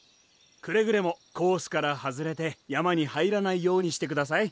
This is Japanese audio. くれぐれもコースから外れて山に入らないようにしてください。